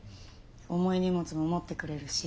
重い荷物も持ってくれるし